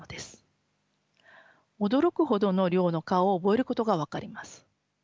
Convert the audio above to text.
驚くほどの量の顔を覚えることが分かります。